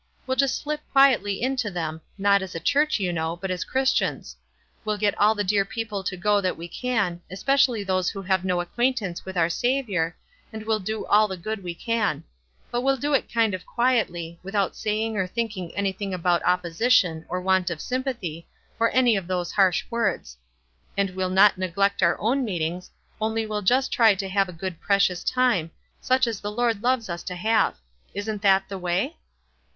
We'll just slip quietly into them, not as a church, you know, but as Christians. We'll get all the dear people to go that we can, especially those w r ho have no acquaintance with our Sav iour, and we'll do all the good we can ; but we'll do it kind of quietly, without saying or thinking 324 WISE AND OTHERWISE. anything about opposition, or want of sympathy, or any of those harsh words ; and we'll not neg lect our own meetings, only we'll just try to have a good precious time, such as the Lord loves us to have. Isn't that the way?"